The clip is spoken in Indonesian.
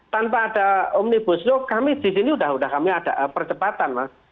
tanpa ada omnibus law kami di sini sudah kami ada percepatan mas